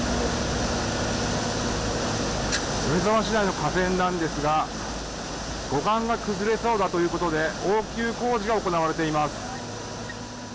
米沢市内の河川なんですが崩れそうということで応急工事が行われています。